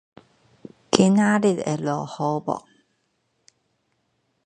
交冬